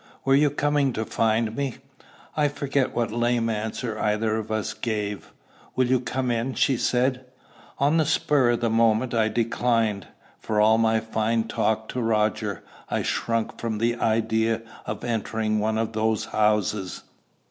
Were you coming to find me?" I forget what lame answer either of us gave. "Will you come in?" she said. On the spur of the moment, I declined. For all my fine talk to Roger, I shrunk from the idea of entering one of those houses.